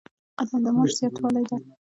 قدم د معاش زیاتوالی دی